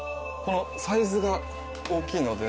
サイズが大きいので。